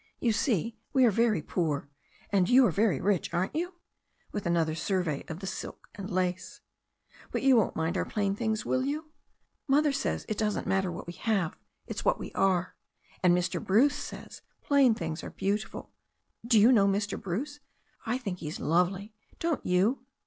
You see, we are very poor, and you are very rich, aren't you ?" with another survey of the silk and lace. "But you won't liiind our plain things, will you? Mother says it doesn't matter what we have, it's what we are. And Mr. Bruce says plain things are beautiful. Do you know Mr. Bruce? I think he is lovely, don't you?"